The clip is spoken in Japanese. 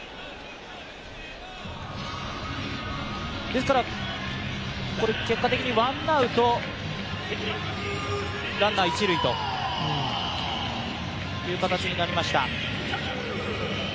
ですから、これ、結果的にワンアウト、ランナー一塁という形になりました。